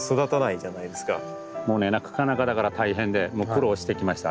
もうねなかなかだから大変で苦労してきました